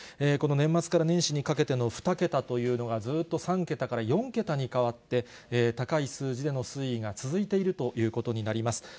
この年末から年始にかけての２桁というのが、ずっと３桁から４桁に変わって、高い数字での推移が続いているということになります。